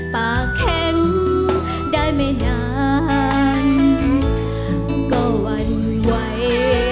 ปากแข็งได้ไม่นานก็หวั่นไหว